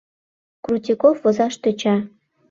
Крутиков возаш тӧча.